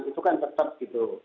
itu kan tetap gitu